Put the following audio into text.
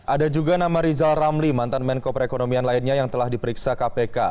ada juga nama rizal ramli mantan menko perekonomian lainnya yang telah diperiksa kpk